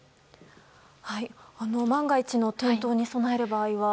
万が一の転倒に備える場合は？